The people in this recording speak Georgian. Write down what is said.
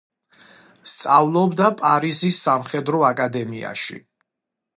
სწავლობდა პარიზის სამხედრო აკადემიაში.